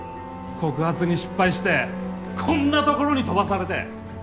告発に失敗してこんなところに飛ばされて。